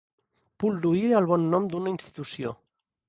Pol·luir el bon nom d'una institució.